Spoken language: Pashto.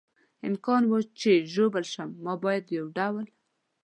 امکان و، چې ژوبل شم، ما باید په یو ډول.